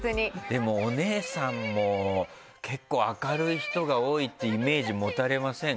でもお姉さんも結構明るい人が多いってイメージ持たれませんか？